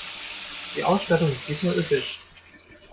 Die Ausstattung ist diesmal üppig.